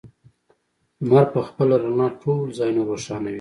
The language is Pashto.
لمر په خپله رڼا ټول ځایونه روښانوي.